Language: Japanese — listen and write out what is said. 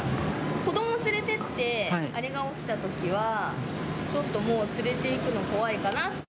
子どもを連れてって、あれが起きたときは、ちょっともう、連れていくの怖いかな。